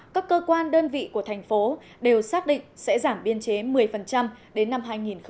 các cơ quan đơn vị của thành phố đều xác định sẽ giảm biên chế một mươi đến năm hai nghìn hai mươi